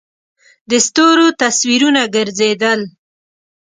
د ستورو تصویرونه گرځېدل.